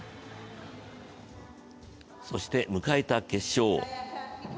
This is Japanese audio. そして迎えた決勝。